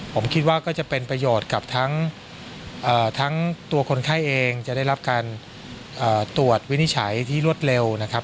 ผมคิดว่าก็จะเป็นประโยชน์กับทั้งตัวคนไข้เองจะได้รับการตรวจวินิจฉัยที่รวดเร็วนะครับ